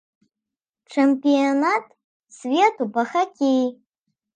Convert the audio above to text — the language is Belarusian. Чэмпіянат свету па хакеі.